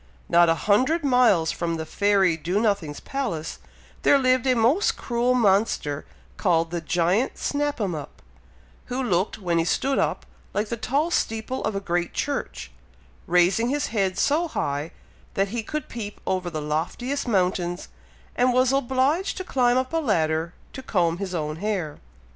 Not a hundred miles from the fairy Do nothing's palace, there lived a most cruel monster called the giant Snap 'em up, who looked, when he stood up, like the tall steeple of a great church, raising his head so high, that he could peep over the loftiest mountains, and was obliged to climb up a ladder to comb his own hair.